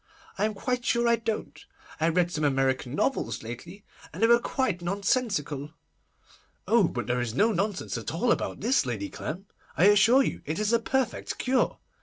I am quite sure I don't. I read some American novels lately, and they were quite nonsensical.' 'Oh, but there is no nonsense at all about this, Lady Clem! I assure you it is a perfect cure.